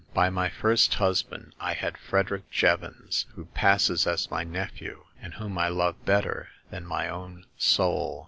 By my first husband I had Frederick Jevons, who passes as my nephew, and whom I love better than my own soul.